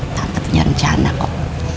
tante punya rencana kok